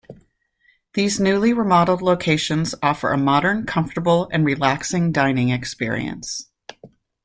These newly remodeled locations offer a modern, comfortable, and relaxing dining experience.